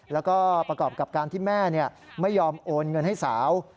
แล้วก็ประกอบกับการที่แม่ไม่ยอมโอนเงินให้สาว